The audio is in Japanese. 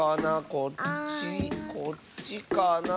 こっちこっちかな。